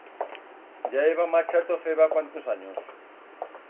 Ya heba marchato feba cuantos anyos.